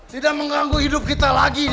tidak mengganggu hidup kita lagi